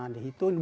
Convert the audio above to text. di situ diberi